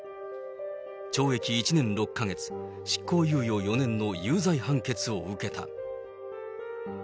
懲役１年６月、執行猶予４年の有罪判決を受けた。